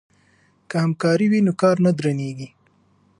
که همکاري وي نو کار نه درنیږي.